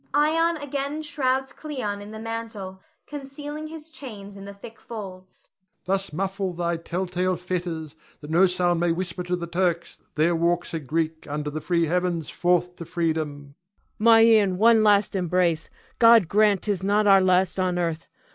[Ion again shrouds Cleon in the mantle, concealing his chains in the thick folds.] Thus muffle thy tell tale fetters, that no sound may whisper to the Turks there walks a Greek under the free heavens forth to freedom. Cleon. My Ion, one last embrace! God grant 'tis not our last on earth!